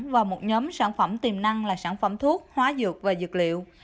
và một nhóm sản phẩm tiềm năng là sản phẩm thuốc hóa dược và dược liệu